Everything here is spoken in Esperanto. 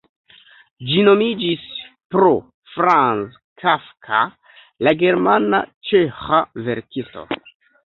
Ĝi nomiĝis pro Franz Kafka, la germana-ĉeĥa verkisto.